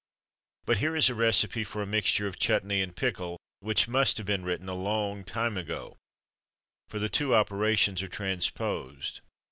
But here is a recipe for a mixture of chutnee and pickle, which must have been written a long time ago; for the two operations are transposed.